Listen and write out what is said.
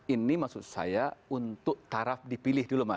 ini maksud saya untuk taraf dipilih dulu mas